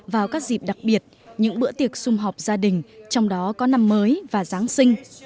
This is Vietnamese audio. vào các dịp đặc biệt những bữa tiệc xung họp gia đình trong đó có năm mới và giáng sinh